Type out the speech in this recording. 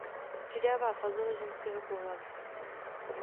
Přidává fazole ženského pohlaví.